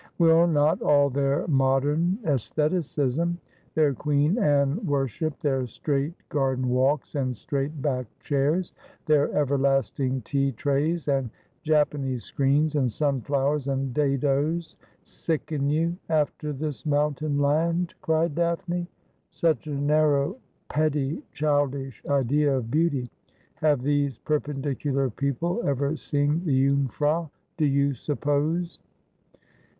' Will not all their modern gestheticism — their Queen Anne worship ; their straight garden walks, and straight backed chairs ; their everlasting tea trays, and Japanese screens, and sunflowers, and dadoes — sicken you after this mountain land ?' cried Daphne. ' Such a narrow, petty, childish idea of beauty ! Have these perpendicular people ever seen the Jungfrau, do you suppose